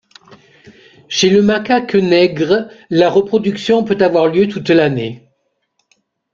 Chez le macaque nègre, la reproduction peut avoir lieu toute l'année.